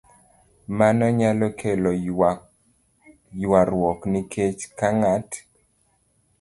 Mano nyalo kelo ywaruok nikech ka ng'at